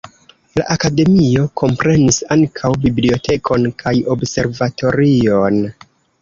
La akademio komprenis ankaŭ bibliotekon kaj observatorion.